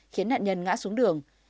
khiến nạn nhân ngã xuống đường